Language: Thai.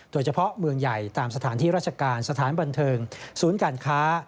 โดยเฉพาะเมืองใหญ่ตามสถานที่ราชการสถานบันเทิงศูนย์การค้า